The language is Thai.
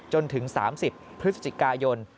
จนถึง๓๐พฤศจิกายน